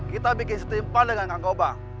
kita bikin setimpa dengan kang gobang